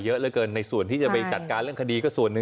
เยอะเหลือเกินในส่วนที่จะไปจัดการเรื่องคดีก็ส่วนหนึ่ง